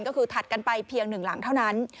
ก็คือถัดกันไปเพียงหนึ่งหลังเท่านั้น